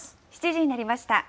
７時になりました。